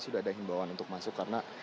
sudah ada himbawan untuk masuk karena